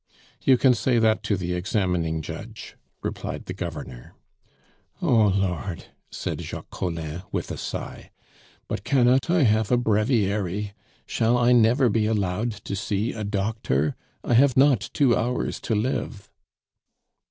"You can say that to the examining judge," replied the Governor. "Oh Lord!" said Jacques Collin, with a sigh. "But cannot I have a breviary! Shall I never be allowed to see a doctor? I have not two hours to live."